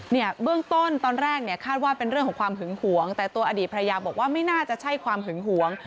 เบื้องต้นตอนแรกเนี่ยคาดว่าเป็นเรื่องของความหึงหวงแต่ตัวอดีตภรรยาบอกว่าไม่น่าจะใช่ความหึงหวง